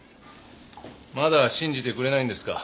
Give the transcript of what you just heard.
まだ信じてくれないんですか？